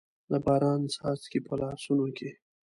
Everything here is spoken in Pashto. د باران څاڅکي، په لاسونو کې